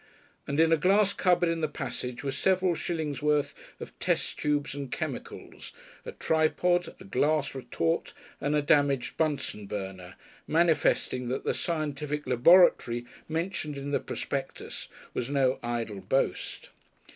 And in a glass cupboard in the passage was several shillingsworth of test tubes and chemicals, a tripod, a glass retort, and a damaged Bunsen burner, manifesting that the "Scientific laboratory" mentioned in the prospectus was no idle boast.